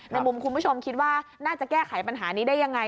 มุมคุณผู้ชมคิดว่าน่าจะแก้ไขปัญหานี้ได้ยังไง